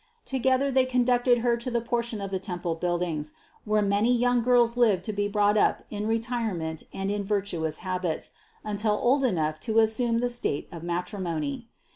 Together they conducted Her to the portion of the temple build ings, where many young girls lived to be brought up in retirement and in virtuous habits, until old enough to as sume the state of matrimony.